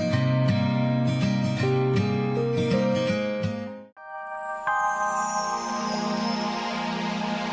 sampai jumpa di video selanjutnya